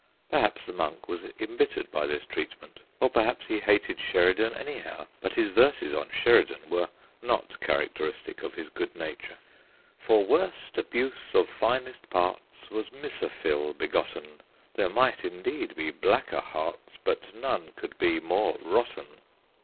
Perhaps the Monk was embittered by this treatment, or perhaps he hated Sheridan anyhow, but his verses on Sheridan were not characteristic of his good nature. 82 THE GHOSTS OF PICCADILLY 1 For worst abuse of finest parts Was Misophil begotten ; There might indeed be blacker hearts, But none could be more rotten.'